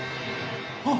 あっ！